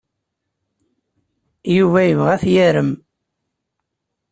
Yuba yebɣa ad t-yarem.